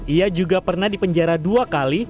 ia juga pernah dipenjara dua kali